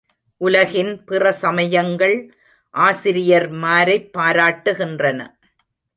உலகின் பிற சமயங்கள் ஆசிரியர்மாரைப் பாராட்டுகின்றன.